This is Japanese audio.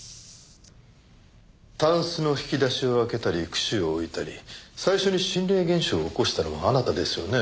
たんすの引き出しを開けたりくしを置いたり最初に心霊現象を起こしたのはあなたですよね。